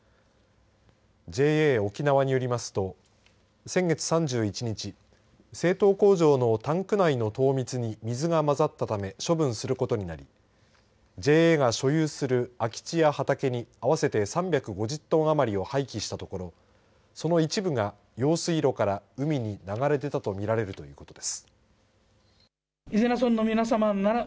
ＪＡおきなわによりますと先月３１日製糖工場のタンク内の糖蜜に水が混ざったため処分することになりＪＡが所有する空き地や畑に合わせて３５０トン余りを廃棄したところその一部が用水路から海に流れ出たと見られるということです。